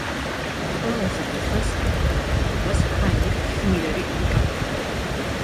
ყველაზე დიდხანს ამ თანამდებობას ჰაინრიხ ჰიმლერი იკავებდა.